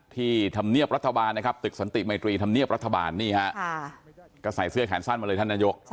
ที่ทำเนีียบรัฐบาลนะครับตึกสนติไมตรีทำเนีียบรัฐบาลก็ใส่เสื้อแขนสั้นมาเลยแล้ว